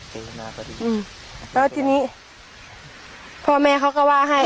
เจตนาก็ดีอืมแล้วทีนี้พ่อแม่เขาก็ว่าให้